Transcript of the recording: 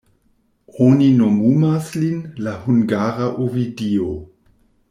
Oni nomumas lin "la hungara Ovidio".